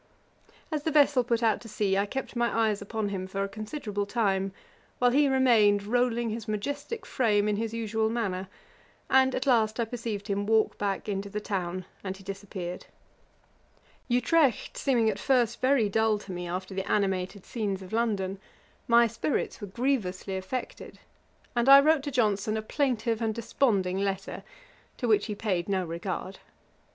As the vessel put out to sea, I kept my eyes upon him for a considerable time, while he remained rolling his majestick frame in his usual manner: and at last I perceived him walk back into the town, and he disappeared. [Page 473: Johnson's first letter to Boswell. Ætat 54.] Utrecht seeming at first very dull to me, after the animated scenes of London, my spirits were grievously affected; and I wrote to Johnson a plaintive and desponding letter, to which he paid no regard.